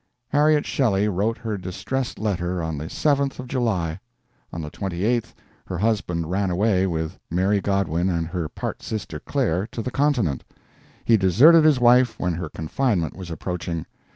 Harriet Shelley wrote her distressed letter on the 7th of July. On the 28th her husband ran away with Mary Godwin and her part sister Claire to the Continent. He deserted his wife when her confinement was approaching.